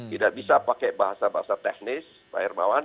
tidak bisa pakai bahasa bahasa teknis pak hermawan